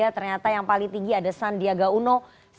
ternyata yang paling tinggi ada sandiaga uno